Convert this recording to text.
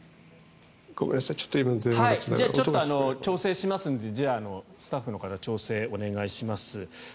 ちょっと調整しますのでスタッフの方調整をお願いします。